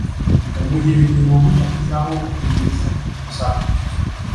Omuyekera omu yagezaako okutunda emmundu ku nsalo.